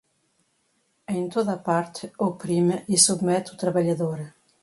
em toda a parte, oprime e submete o trabalhador